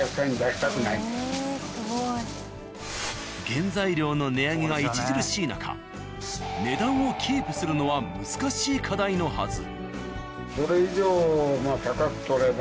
原材料の値上げが著しい中値段をキープするのは難しい課題のはず。